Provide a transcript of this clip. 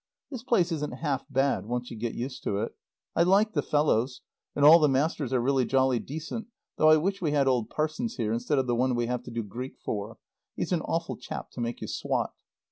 This place isn't half bad once you get used to it. I like the fellows, and all the masters are really jolly decent, though I wish we had old Parsons here instead of the one we have to do Greek for. He's an awful chap to make you swot.